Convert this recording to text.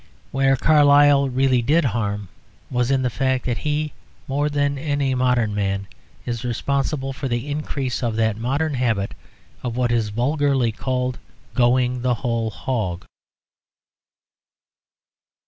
Where Carlyle really did harm was in the fact that he, more than any modern man, is responsible for the increase of that modern habit of what is vulgarly called "Going the whole hog."